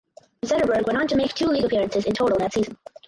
Zetterberg went on to make two league appearances in total that season.